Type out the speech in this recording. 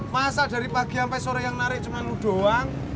masa dari pagi sampai sore yang narik cuma doang